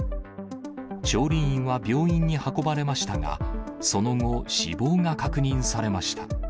調理員は病院に運ばれましたが、その後、死亡が確認されました。